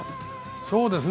そうですね。